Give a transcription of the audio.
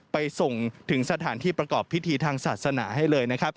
ไปส่งถึงสถานที่ประกอบพิธีทางศาสนาให้เลยนะครับ